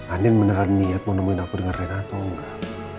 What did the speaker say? andi beneran niat mau nemuin aku dengan rena atau enggak